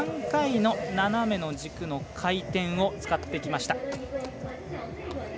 ３回の斜めの軸の回転を使ってきました。